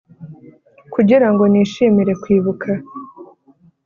kugirango nishimire kwibuka